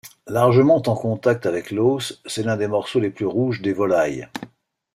Largement en contact avec l'os, c'est l'un des morceaux les plus rouges des volailles.